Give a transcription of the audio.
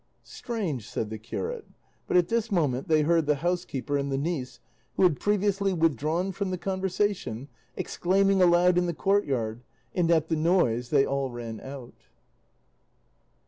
"Strange," said the curate; but at this moment they heard the housekeeper and the niece, who had previously withdrawn from the conversation, exclaiming aloud in the courtyard, and at the noise they all ran out.